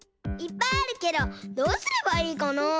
いっぱいあるけどどうすればいいかな？